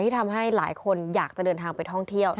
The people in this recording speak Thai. ทำให้หลายคนอยากจะเดินทางไปท่องเที่ยว